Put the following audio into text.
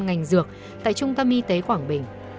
ngành rượu tại trung tâm y tế quảng bình